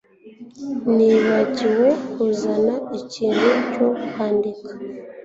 Nibagiwe kuzana ikintu cyo kwandika.